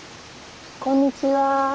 こんにちは。